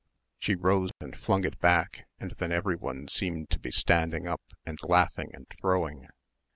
She rose and flung it back and then everyone seemed to be standing up and laughing and throwing.